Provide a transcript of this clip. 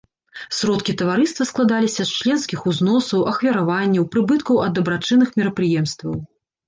Сродкі таварыства складаліся з членскіх узносаў, ахвяраванняў, прыбыткаў ад дабрачынных мерапрыемстваў.